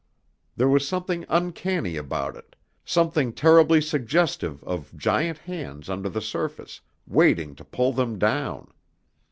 There was something uncanny about it, something terribly suggestive of giant hands under the surface, waiting to pull them down.